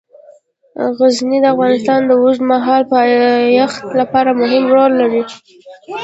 غزني د افغانستان د اوږدمهاله پایښت لپاره مهم رول لري.